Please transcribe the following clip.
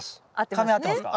科名合ってますか？